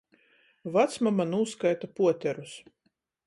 Vacmama nūskaita puoterus.